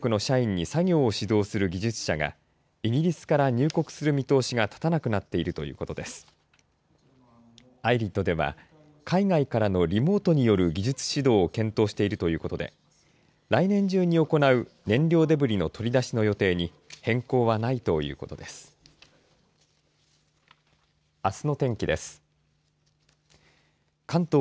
ＩＲＩＤでは海外からのリモートによる技術指導を検討しているということで来年中に行う燃料デブリの取り出しの予定に変更はないということです。